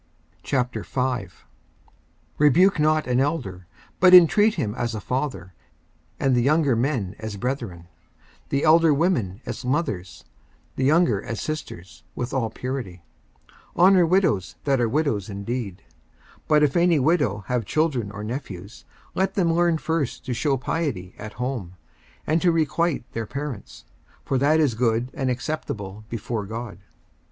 54:005:001 Rebuke not an elder, but intreat him as a father; and the younger men as brethren; 54:005:002 The elder women as mothers; the younger as sisters, with all purity. 54:005:003 Honour widows that are widows indeed. 54:005:004 But if any widow have children or nephews, let them learn first to shew piety at home, and to requite their parents: for that is good and acceptable before God.